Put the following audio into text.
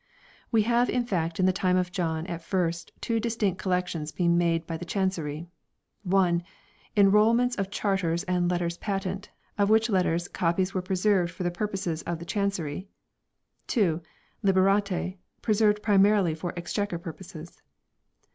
We have in fact in the time of John at first two distinct collections being made by the Chancery: (i) Enrolments of Charters and Letters Patent 2 of which letters copies were preserved for the purposes of the Chancery; (2) Liberate, preserved primarily for Ex chequer purposes.